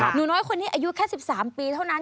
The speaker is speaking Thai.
หนูน้อยคนนี้อายุแค่๑๓ปีเท่านั้น